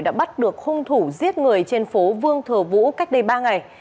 đã bắt được hung thủ giết người trên phố vương thờ vũ cách đây ba ngày